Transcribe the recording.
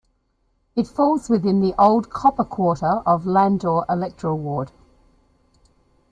It falls within the old copper quarter of Landore electoral ward.